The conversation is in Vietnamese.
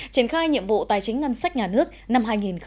triển khai nhiệm vụ tài chính ngân sách nhà nước năm hai nghìn hai mươi